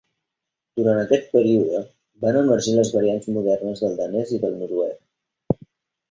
Durant aquest període, van emergir les variants modernes del danès i del noruec.